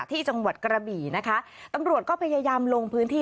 ที่จังหวัดกระบี่นะคะตำรวจก็พยายามลงพื้นที่